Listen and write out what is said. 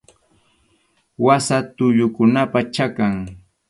Wasa tullukunapa chakan.